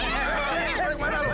mau lari kemana lu